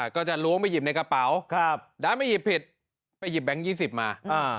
ก็จะล้วงไปหยิบในกระเป๋าดันไม่หยิบผิดไปหยิบแบงค์๒๐มา